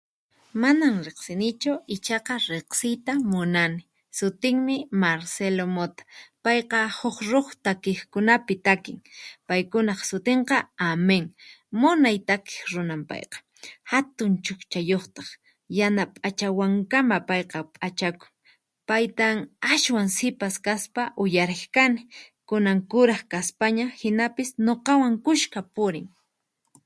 Manan riqsinichu ichaqa riqsiyta munani, sutinmi Marcelo Motta payqa huk rock takiqkunapi takin paykunaq sutinqa Amén, munay takiq runan payqa, hatun chukchayuqtaq, yana p'achawankama payqa p'achakun, paytan aswan sipas kaspa uyariq kani, kunan kuraq kaspaña hinapis nuqawan kuska purin.